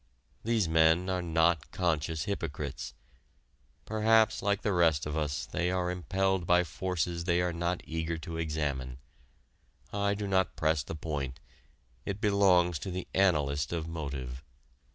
These men are not conscious hypocrites. Perhaps like the rest of us they are impelled by forces they are not eager to examine. I do not press the point. It belongs to the analyst of motive.